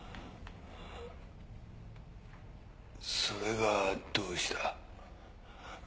それがどうした。